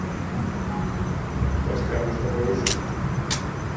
Idaztea gustuko duzu?